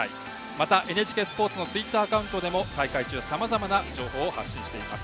また、ＮＨＫスポーツのツイッターアカウントでも大会中、さまざまな情報を発信しています。